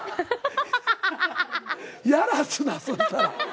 やらすなそしたら。